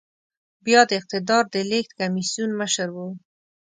بيا د اقتدار د لېږد کميسيون مشر و.